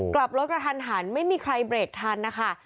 กลับรถกระทันหันไม่มีใครเบรกทันนะคะ